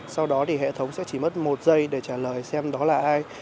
sau đó thì hệ thống sẽ chỉ mất một giây để trả lời xem đó là ai